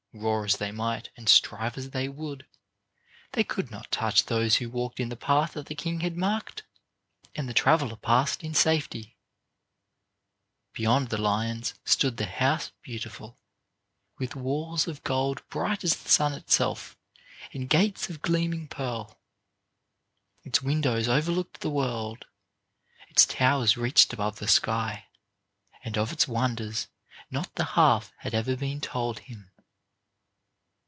Roar as they might and strive as they would, they could not touch those who walked in the path that the king had marked; and the traveler passed in safety. [Illustration: WHEN HE HAD COME TO THE LIONS HE FOUND THAT THEY WERE CHAINED.] Beyond the lions stood the House Beautiful, with walls of gold bright as the sun itself and gates of gleaming pearl. Its windows overlooked the world, its towers reached above the sky, and of its wonders not the half had ever been told him.